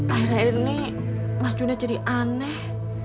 akhir akhir ini mas juna jadi aneh